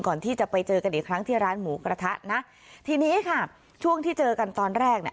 ก่อนที่จะไปเจอกันอีกครั้งที่ร้านหมูกระทะนะทีนี้ค่ะช่วงที่เจอกันตอนแรกเนี่ย